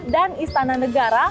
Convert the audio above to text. dan istana negara